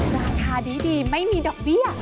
ราคาดีไม่มีดอกเบี้ย